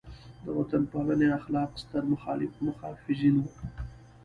د وطن پالنې اخلاق ستر محافظین وو.